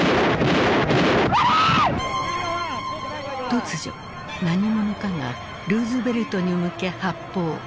突如何者かがルーズベルトに向け発砲。